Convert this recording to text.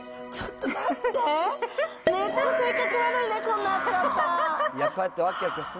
ちょっと待って。